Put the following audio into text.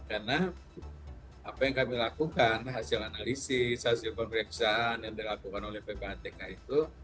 karena apa yang kami lakukan hasil analisis hasil pemeriksaan yang dilakukan oleh ppatk itu